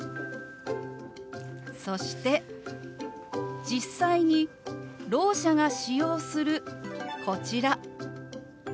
そして実際にろう者が使用するこちら。